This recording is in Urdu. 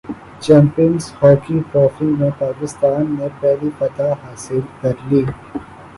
چیمپئنز ہاکی ٹرافی میں پاکستان نے پہلی فتح حاصل کرلی